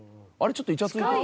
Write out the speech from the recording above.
ちょっとイチャついてる？